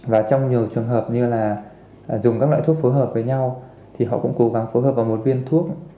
và trong nhiều trường hợp như là dùng các loại thuốc phối hợp với nhau thì họ cũng cố gắng phối hợp vào một viên thuốc